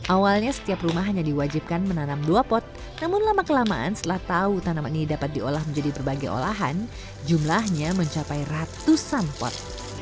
awalnya setiap rumah hanya diwajibkan menanam dua pot namun lama kelamaan setelah tahu tanaman ini dapat diolah menjadi berbagai olahan jumlahnya mencapai ratusan pot